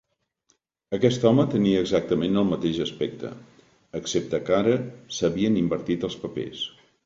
Aquest home tenia exactament el mateix aspecte, excepte que ara s'havien invertit els papers.